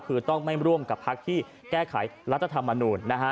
คือต้องไม่ร่วมกับพักที่แก้ไขรัฐธรรมนูญนะฮะ